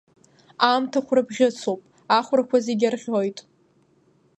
Аамҭа хәрабӷьыцуп, ахәрақәа зегьы арӷьоит.